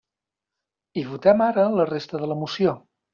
I votem ara la resta de la moció.